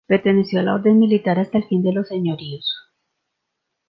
Perteneció a la orden militar hasta el fin de los señoríos.